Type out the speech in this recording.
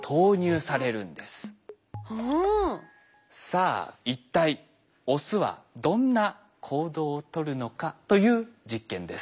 さあ一体オスはどんな行動をとるのかという実験です。